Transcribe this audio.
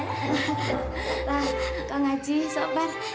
nah kau ngaji sobat